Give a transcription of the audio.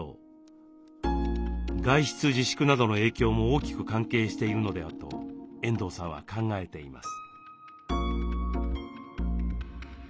外出自粛などの影響も大きく関係しているのではと遠藤さんは考えています。